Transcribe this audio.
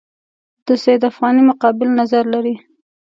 د سید افغاني مقابل نظر لري.